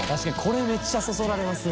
海めっちゃそそられますね。